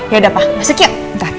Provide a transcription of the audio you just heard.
yaudah pak masuk yuk